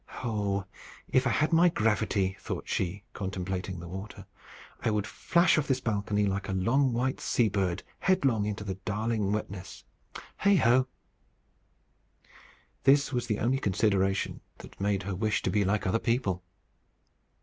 "Oh! if I had my gravity," thought she, contemplating the water, "I would flash off this balcony like a long white sea bird, headlong into the darling wetness. Heigh ho!" This was the only consideration that made her wish to be like other people.